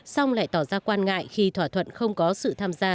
xong lại tỏ ra quan ngại khi thỏa thuận không có sự tham gia